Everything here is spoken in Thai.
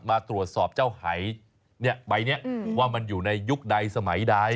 มาตรวจสอบเจ้าหายใบนี้ว่ามันอยู่ในยุคใดสมัยใด